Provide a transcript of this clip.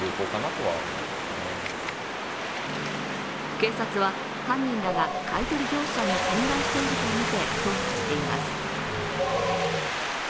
警察は犯人らが買い取り業者に転売しているとみて捜査しています。